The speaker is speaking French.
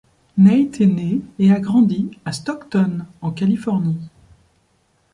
Nate est né et a grandi à Stockton, en Californie.